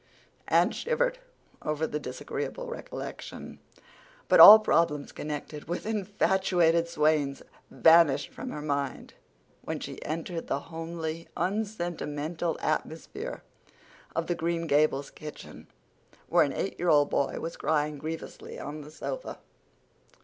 Anne shivered over the disagreeable recollection. But all problems connected with infatuated swains vanished from her mind when she entered the homely, unsentimental atmosphere of the Green Gables kitchen where an eight year old boy was crying grievously on the sofa.